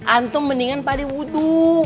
antum mendingan paling wudhu